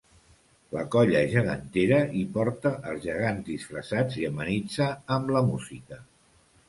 La Colla Gegantera hi porta els gegants disfressats i amenitza amb la música.